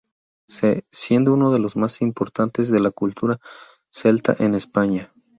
C, siendo uno de los más importantes de la cultura celta en España.